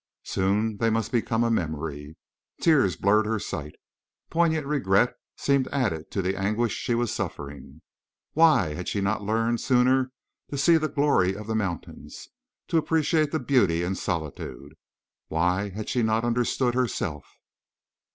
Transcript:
Soon they must become a memory. Tears blurred her sight. Poignant regret seemed added to the anguish she was suffering. Why had she not learned sooner to see the glory of the mountains, to appreciate the beauty and solitude? Why had she not understood herself?